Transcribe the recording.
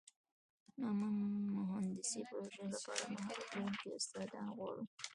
امن مهندسي پروژې لپاره مهارت لرونکي استادان غواړو.